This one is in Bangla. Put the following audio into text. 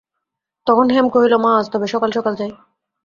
তখন হেম কহিল, মা, আজ তবে সকাল-সকাল যাই।